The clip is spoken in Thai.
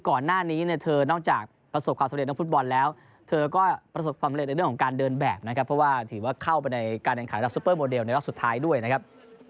ก่อนหน้านี้เนี่ยเธอนอกจากประสบความสำเร็จนักฟุตบอลแล้วเธอก็ประสบความเร็จในเรื่องของการเดินแบบนะครับเพราะว่าถือว่าเข้าไปในการแข่งขันระดับซุปเปอร์โมเดลในรอบสุดท้ายด้วยนะครับ